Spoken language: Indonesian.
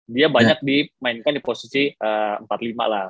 dia banyak dimainkan di posisi empat puluh lima lah